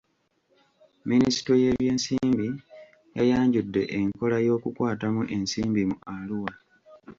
Minisitule y'ebyensimbi yayanjudde enkola y'okukwatamu ensimbi mu Arua.